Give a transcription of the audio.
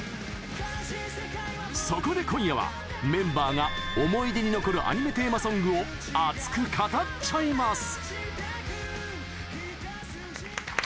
そこで、今夜はメンバーが思い出に残るアニメテーマソングを熱く語っちゃいます！